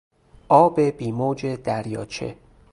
آب بیموج دریاچه